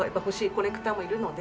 コレクターもいるので。